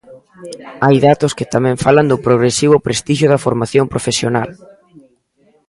Hai datos que tamén falan do progresivo prestixio da formación profesional.